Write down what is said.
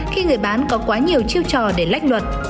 khi người bán có quá nhiều chiêu trò để lách luật